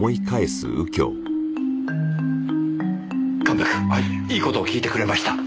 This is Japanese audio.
神戸君いい事を聞いてくれました。